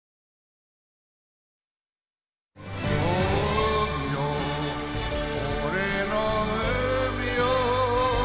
「海よ俺の海よ」